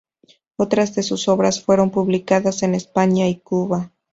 Otras de sus obras fueron publicadas en España y Cuba.